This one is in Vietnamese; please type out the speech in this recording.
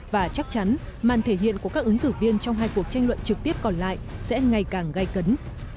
và chắc chắn màn thể hiện của các ứng cử viên trong hai cuộc tranh luận trực tiếp còn lại sẽ ngày càng gây cấn